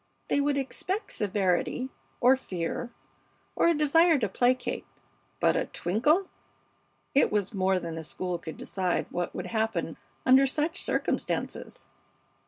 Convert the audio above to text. They would expect severity, or fear, or a desire to placate; but a twinkle it was more than the school could decide what would happen under such circumstances.